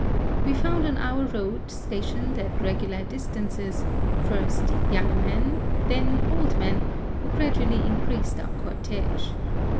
We found on our road, stationed at regular distances, first young THE SUEZ CANAL. 73 men, then old men, who gradually increased our cortdge.